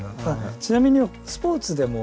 ちなみにスポーツでもですね